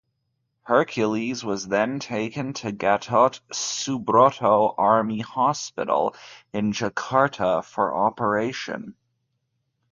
Hercules was then taken to Gatot Subroto army hospital in Jakarta for operation.